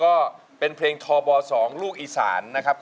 เพลงที่เจ็ดเพลงที่แปดแล้วมันจะบีบหัวใจมากกว่านี้